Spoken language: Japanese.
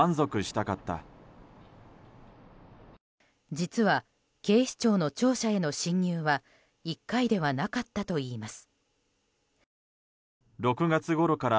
実は、警視庁の庁舎への侵入は１回ではなかったといいます。